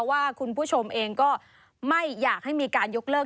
ว่าคุณผู้ชมเองก็ไม่อยากให้มีการยกเลิก